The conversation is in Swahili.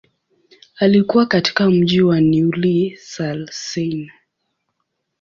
Alikua katika mji wa Neuilly-sur-Seine.